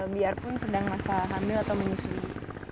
biarpun sedang masa hamil atau menyusui